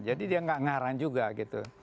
jadi dia nggak ngarang juga gitu